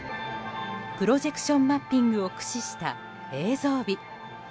プロジェクションマッピングを駆使した映像美。